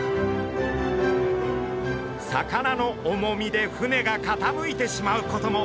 魚の重みで船がかたむいてしまうことも。